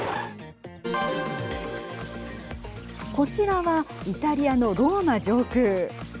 こちらはイタリアのローマ上空。